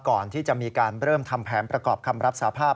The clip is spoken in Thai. ก่อนที่จะมีการเริ่มทำแผนประกอบคำรับสาภาพ